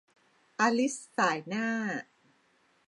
อลิซส่ายหน้า